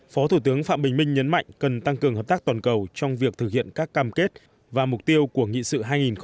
phó thủ tướng phạm bình minh nhấn mạnh cần tăng cường hợp tác toàn cầu trong việc thực hiện các cam kết và mục tiêu của nghị sự hai nghìn ba mươi